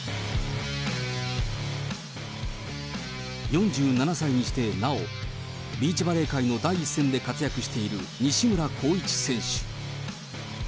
４７歳にしてなお、ビーチバレー界の第一線で活躍している西村晃一選手。